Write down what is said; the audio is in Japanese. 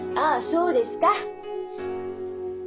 そうですか！